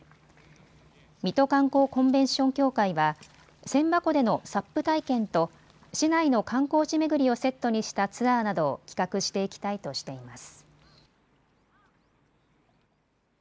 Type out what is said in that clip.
水戸観光コンベンション協会が千波湖でのＳＵＰ体験と市内の観光地巡りをセットにしたツアーなどを企画していきたいとしています。